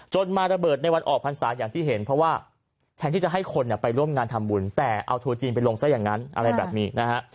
มาระเบิดในวันออกพรรษาอย่างที่เห็นเพราะว่าแทนที่จะให้คนไปร่วมงานทำบุญแต่เอาทัวร์จีนไปลงซะอย่างนั้นอะไรแบบนี้นะฮะ